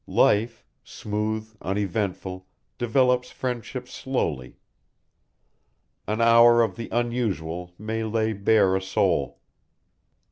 Life, smooth, uneventful, develops friendship slowly; an hour of the unusual may lay bare a soul.